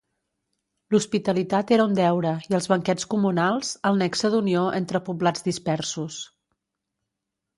L'hospitalitat era un deure i els banquets comunals, el nexe d'unió entre poblats dispersos.